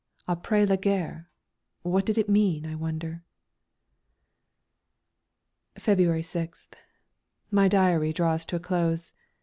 "Après la guerre" what did it mean? I wonder. February 6th. My diary draws to a close.